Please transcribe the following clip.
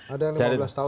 ada yang lima belas tahun